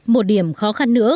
một điểm khó khăn nữa